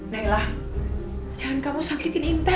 naila jangan kamu sakitin intan